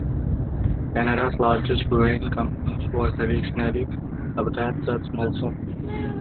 Canada's largest brewing companies were traditionally Labatt's and Molson.